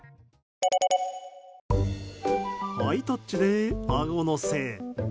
ハイタッチであご乗せ。